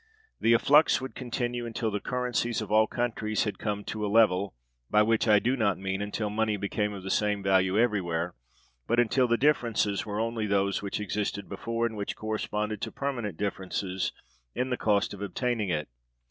The efflux would continue until the currencies of all countries had come to a level; by which I do not mean, until money became of the same value everywhere, but until the differences were only those which existed before, and which corresponded to permanent differences in the cost of obtaining it.